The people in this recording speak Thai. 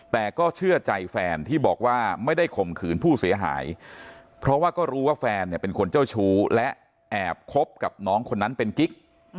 แต่ก็เชื่อใจแฟนที่บอกว่าไม่ได้ข่มขืนผู้เสียหายเพราะว่าก็รู้ว่าแฟนเนี่ยเป็นคนเจ้าชู้และแอบคบกับน้องคนนั้นเป็นกิ๊ก